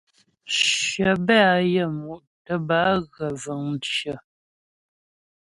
Shyə bɛ́ á yaə́mu' tə́ bə́ á ghə vəŋ mcyə̀.